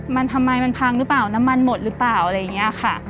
มันทำไมมันพังหรือเปล่าน้ำมันหมดหรือเปล่าอะไรอย่างนี้ค่ะ